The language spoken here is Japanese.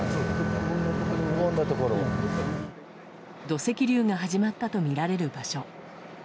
土石流が始まったとみられる場所。